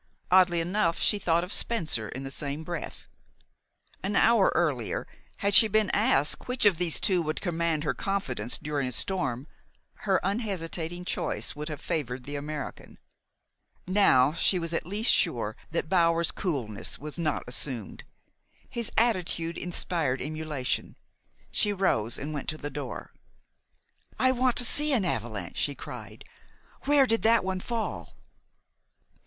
Oddly enough, she thought of Spencer in the same breath. An hour earlier, had she been asked which of these two would command her confidence during a storm, her unhesitating choice would have favored the American. Now, she was at least sure that Bower's coolness was not assumed. His attitude inspired emulation. She rose and went to the door. "I want to see an avalanche," she cried. "Where did that one fall?"